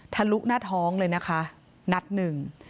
ลุหน้าท้องเลยนะคะนัดหนึ่ง